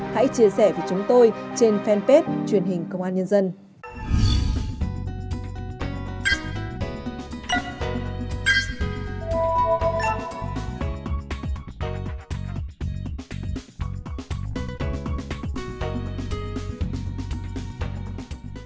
hãy chia sẻ với chúng tôi trên fanpage truyền hình công an nhân dân